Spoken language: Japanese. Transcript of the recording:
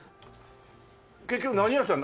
結局何屋さん。